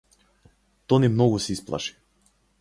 Тони многу се исплаши.